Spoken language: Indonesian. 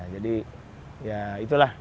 jadi ya itulah